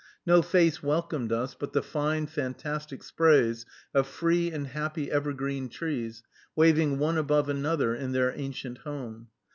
No face welcomed us but the fine fantastic sprays of free and happy evergreen trees, waving one above another in their ancient home.